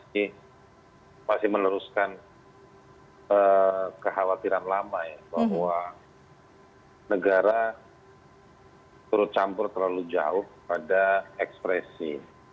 ini masih meneruskan kekhawatiran lama ya bahwa negara turut campur terlalu jauh pada ekspresi